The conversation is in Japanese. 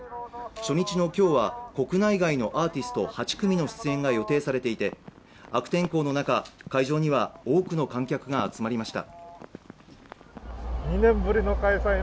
初日の今日は国内外のアーティスト８組の出演が予定されていて悪天候の中、会場には多くの観客が集まりました。